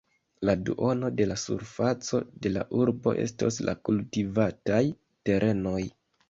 La duono de la surfaco de la urbo estos la kultivataj terenoj.